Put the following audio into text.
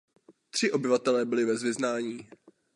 Tři obyvatelé byli bez vyznání.